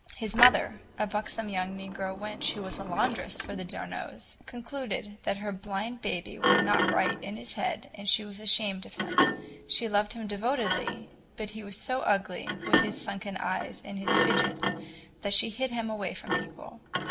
His mother, a buxom young negro wench who was laundress for the d'Arnaults, concluded that her blind baby was "not right" in his head, and she was ashamed of him. She loved him devotedly, but he was so ugly, with his sunken eyes and his "fidgets," that she hid him away from people.